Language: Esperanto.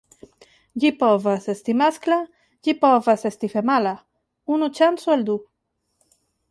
Ĝi povas esti maskla, ĝi povas esti femala: unu ŝanco el du.